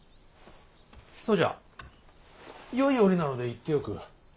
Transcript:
そうじゃよい折なので言っておく。